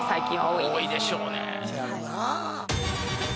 多いでしょうね。